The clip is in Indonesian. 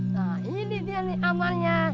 nah ini dia nih amalnya